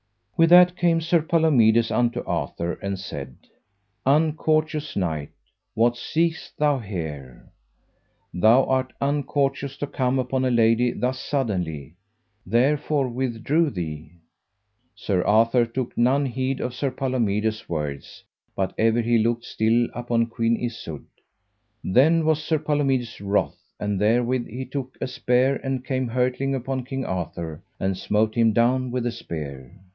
With that came Sir Palomides unto Arthur, and said: Uncourteous knight, what seekest thou here? thou art uncourteous to come upon a lady thus suddenly, therefore withdraw thee. Sir Arthur took none heed of Sir Palomides' words, but ever he looked still upon Queen Isoud. Then was Sir Palomides wroth, and therewith he took a spear, and came hurtling upon King Arthur, and smote him down with a spear.